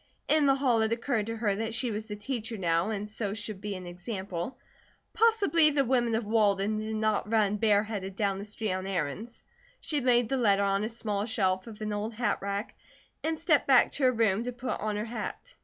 In the hall it occurred to her that she was the "Teacher" now, and so should be an example. Possibly the women of Walden did not run bareheaded down the street on errands. She laid the letter on a small shelf of an old hatrack, and stepped back to her room to put on her hat.